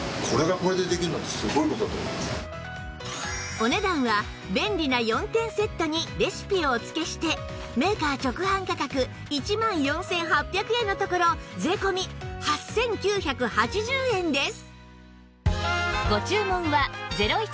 お値段は便利な４点セットにレシピをお付けしてメーカー直販価格１万４８００円のところ税込８９８０円です